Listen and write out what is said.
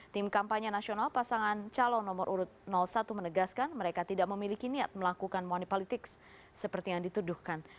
tim kampanye nasional pasangan calon nomor urut satu menegaskan mereka tidak memiliki niat melakukan money politics seperti yang dituduhkan